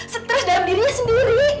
stres dalam dirinya sendiri